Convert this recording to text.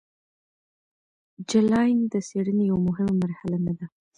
جلاین د څیړنې یوه مهمه مرحله نه ده.